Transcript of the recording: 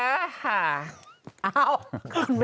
อ้าวคุณแม่